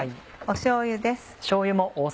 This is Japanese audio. しょうゆです。